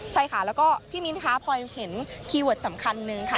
ใช่ค่ะแล้วก็พี่มิ้นค่ะพลอยเห็นคีย์เวิร์ดสำคัญนึงค่ะ